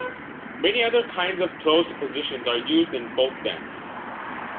Many other kinds of closed positions are used in folk dance.